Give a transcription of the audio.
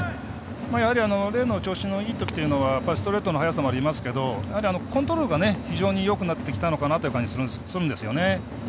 やはりレイの調子のいいときというのはストレートの速さもありますがコントロールが非常によくなってきたのかなという感じがするんですよね。